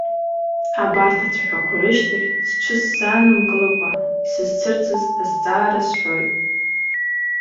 Абарҭ ацәаҳәақәа рышьҭахь, сҽысзаанымкылакәа, исызцәырҵыз азҵаара сҳәоит.